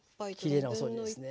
あきれいなお掃除ですね。